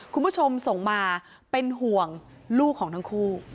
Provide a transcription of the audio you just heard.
คุณผู้ชมส่งมาเป็นห่วงลูกของทั้งคู่